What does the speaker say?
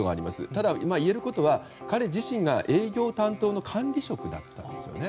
ただ、言えることは彼自身が営業担当の管理職だったんですよね。